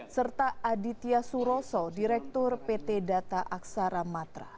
serta aditya suroso direktur pt data aksara matra